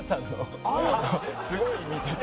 すごい見てて。